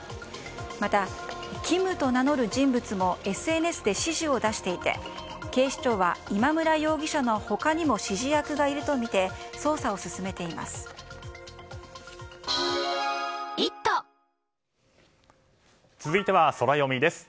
また、キムと名乗る人物もＳＮＳで指示を出していて警視庁は今村容疑者の他にも指示役がいるとみて続いてはソラよみです。